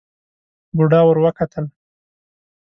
بوډا ور وکتل.